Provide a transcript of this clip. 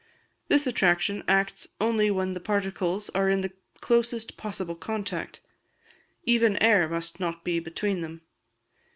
This attraction acts only when the particles are in the closest possible contact: even air must not be between them.